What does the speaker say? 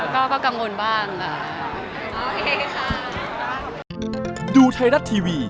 ก็ต้องดูบ้างนะครับ